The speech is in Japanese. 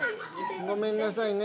ごめんなさいね。